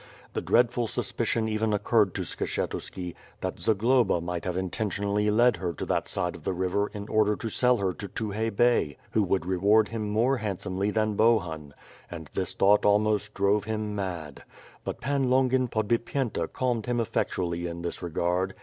The dreadful suspicion even occurred to Skshetuski, that Zagloba might have in tentionally led her to that side of the river in order to sell her to Tukhay Bey, who would reward him more handsomely than Bohun — and this thought almost drove him mad. But Pan Longin Podbipyenta calmed him effectually in this re gard.